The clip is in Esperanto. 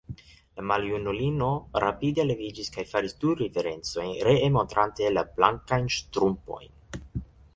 La maljunulino rapide leviĝis kaj faris du riverencojn, ree montrante la blankajn ŝtrumpojn.